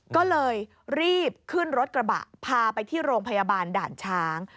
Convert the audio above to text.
ก็เลยรีบขึ้นรถกระบะพาไปที่โรงพยาบาลด่านช้าง